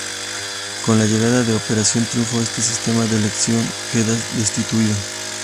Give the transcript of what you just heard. Con la llegada de "Operación Triunfo" este sistema de elección quedó destituido.